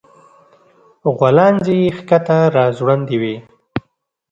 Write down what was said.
غولانځې يې ښکته راځوړندې وې